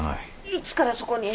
いつからそこに？